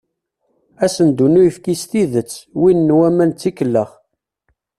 Asendu n uyefki s tidet, win n waman d tikellax.